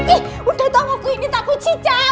ih udah dong gua kuy ini takut cicak